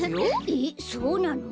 えっそうなの？